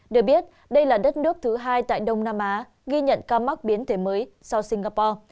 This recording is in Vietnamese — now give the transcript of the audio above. được biết đây là đất nước thứ hai tại đông nam á ghi nhận ca mắc biến thể mới sau singapore